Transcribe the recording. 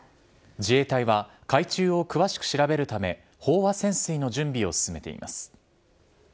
自衛隊は海中を詳しく調べるため飽和潜水の準備を進めています。